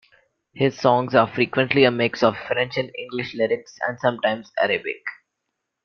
His songs are frequently a mix of French and English lyrics, and sometimes Arabic.